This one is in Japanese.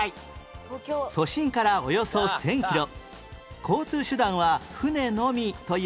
都心からおよそ１０００キロ